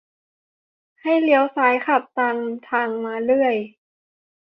ให้เลี้ยวซ้ายขับตามทางมาเรื่อย